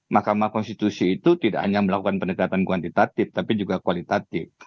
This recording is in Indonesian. mahkamah konstitusi itu tidak hanya melakukan pendekatan kuantitatif tapi juga kualitatif